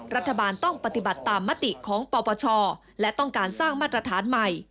รัฐบาลต้องปฏิบัติตามมติของปปชและต้องการสร้างมาตรฐานใหม่